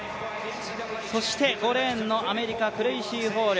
そして５レーンのアメリカ、クインシー・ホール。